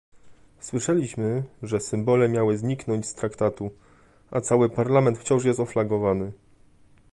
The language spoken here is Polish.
Słyszeliśmy, że symbole miały zniknąć z traktatu - a cały Parlament wciąż jest oflagowany